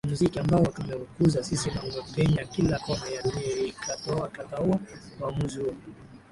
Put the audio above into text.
Ni muziki ambao tumeukuza sisi na umepenya kila kona ya dunia Ikitaoa uamuzi huo